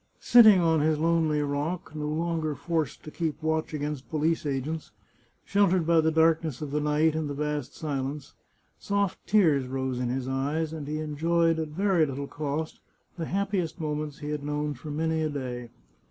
Sitting on his lonely rock, no longer forced to keep watch against police agents, sheltered by the darkness of the night and the vast silence, soft tears rose in his eyes, and he enjoyed, at very little cost, the happiest moments he had known for many a day.